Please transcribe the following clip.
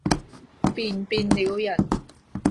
便變了人，